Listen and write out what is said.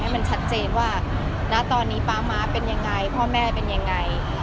ให้ชัดเจนว่าตอนนี้ป๊อะม๊าพ่อแม่จะเป็นอย่างไร